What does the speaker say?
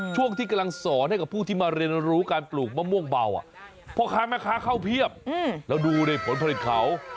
ช่วงที่กำลังสอนให้กับผู้ที่มาเรียนรู้การปลูกมะม่วงเบาพ่อค้าแม่ค้าเข้าเพียบแล้วดูในผลผลิตเขา